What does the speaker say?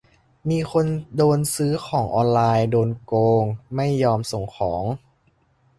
- มีคนโดนซื้อของออนไลน์โดนโกงไม่ยอมส่งของ